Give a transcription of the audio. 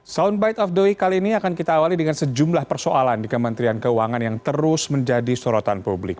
soundbite of the week kali ini akan kita awali dengan sejumlah persoalan di kementerian keuangan yang terus menjadi sorotan publik